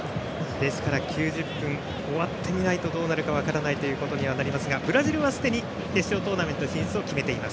ですから９０分、終わってみないとどうなるか分からないことになりますがブラジルはすでに決勝トーナメント進出を決めています。